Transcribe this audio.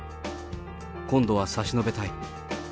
今度は差し伸べたい。